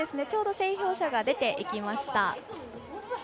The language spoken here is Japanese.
ちょうど整氷車が出ていきました。